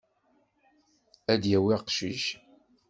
Ad d-yawi aqcic.